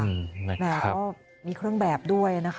แต่ก็มีเครื่องแบบด้วยนะคะ